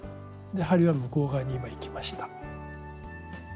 針は向こう側に今いきました。